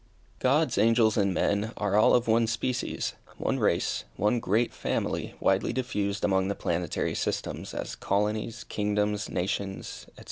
Gods, angels and men, are all of one species, one race, one great family widely diffused among the planetary systems, as colonies, kingdoms, nations, &c.